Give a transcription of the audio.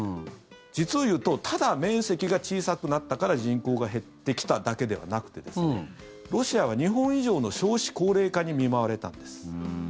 実をいうとただ面積が小さくなったから人口が減ってきただけではなくてロシアは日本以上の少子高齢化に見舞われたんです。